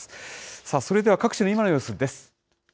さあ、それでは各地の今の様子です。